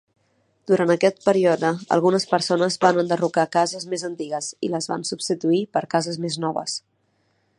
Durant aquest període, algunes persones van enderrocar cases més antigues i les van substituir per cases més noves.